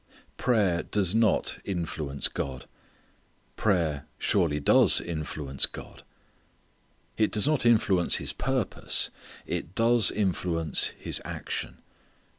Prayer does not influence God. Prayer surely does influence God. It does not influence His purpose. It does influence His action.